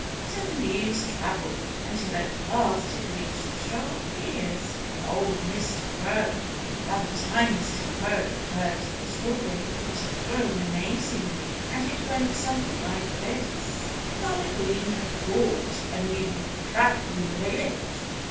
So the news traveled, until at last it reached the sharp ears of old Mr. Crow. By the time Mr. Crow heard the story it had grown amazingly. And it went something like this: Farmer Green had bought a new trap in the village.